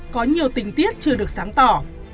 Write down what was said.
có nhiều tình tiết chưa được sáng tỏ